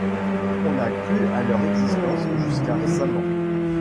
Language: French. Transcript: On a cru à leur existence jusqu’à récemment.